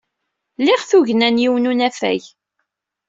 Liɣ tugna n yiwen n unafag.